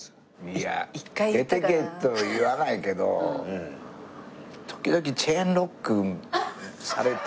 いや出ていけとは言わないけど時々チェーンロックされて。